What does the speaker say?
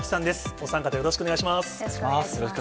お三方、よろしくお願いします。